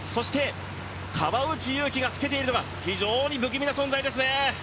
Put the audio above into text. そして川内優輝がつけているのが非常に不気味な存在ですね。